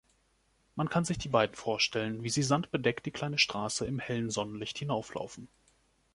Man kann sich die beiden vorstellen, wie sie sandbedeckt die kleine Straße im hellen Sonnenlicht hinauflaufen.